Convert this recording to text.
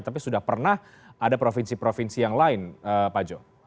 tapi sudah pernah ada provinsi provinsi yang lain pak jo